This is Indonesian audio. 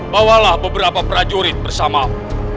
bawalah beberapa prajurit bersama aku